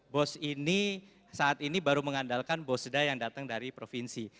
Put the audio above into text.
bos ini saat ini baru mengandalkan bosda yang datang dari provinsi